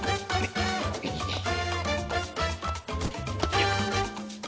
よっ。